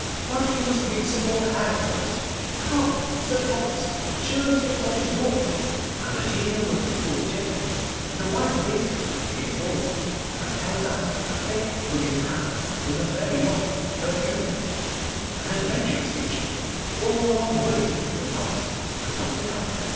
'But you must read some more hands for us. Come, Sir Thomas, show Mr. Podgers yours'; and a genial looking old gentleman, in a white waistcoat, came forward, and held out a thick rugged hand, with a very long third finger. 'An adventurous nature; four long voyages in the past, and one to come.